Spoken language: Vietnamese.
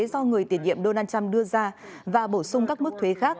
do người tiền điệm donald trump đưa ra và bổ sung các bức thuế khác